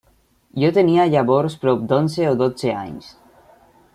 Jo tenia llavors prop d'onze o dotze anys.